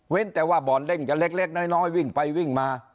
แต่ว่าบ่อนเล่นกันเล็กน้อยวิ่งไปวิ่งมา